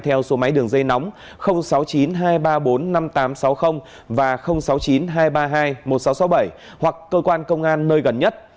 theo số máy đường dây nóng sáu mươi chín hai trăm ba mươi bốn năm nghìn tám trăm sáu mươi và sáu mươi chín hai trăm ba mươi hai một nghìn sáu trăm sáu mươi bảy hoặc cơ quan công an nơi gần nhất